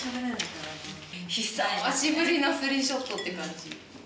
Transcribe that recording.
久しぶりのスリーショットって感じ。